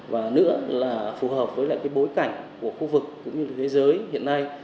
và nữa là phù hợp với bối cảnh của khu vực cũng như thế giới hiện nay